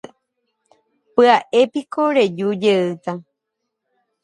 Pya'épiko reju jeýta.